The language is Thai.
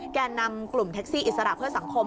แก่นำกลุ่มแท็กซี่อิสระเพื่อสังคม